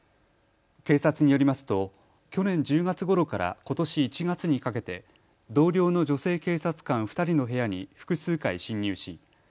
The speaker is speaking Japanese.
警察によりますと去年１０月ごろからことし１月にかけて同僚の女性警察官２人の部屋に複数回侵入し